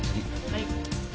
はい。